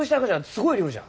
すごい量じゃ。